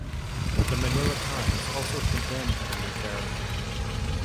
The Manila Times also condemned the new tariff.